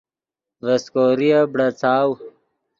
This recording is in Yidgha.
ڤے سیکوریف بڑاڅاؤ